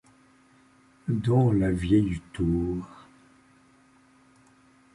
Dans la vieille tour